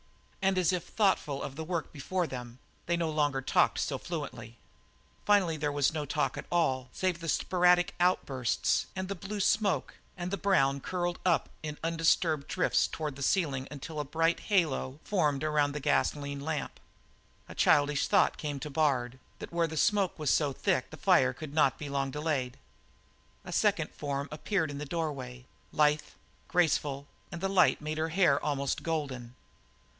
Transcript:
And as if thoughtful of the work before them, they no longer talked so fluently. Finally there was no talk at all, save for sporadic outbursts, and the blue smoke and the brown curled up slowly in undisturbed drifts toward the ceiling until a bright halo formed around the gasoline lamp. A childish thought came to Bard that where the smoke was so thick the fire could not be long delayed. A second form appeared in the doorway, lithe, graceful, and the light made her hair almost golden.